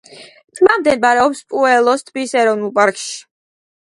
ტბა მდებარეობს პუელოს ტბის ეროვნულ პარკში.